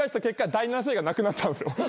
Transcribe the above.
第７世代がなくなったんですよ。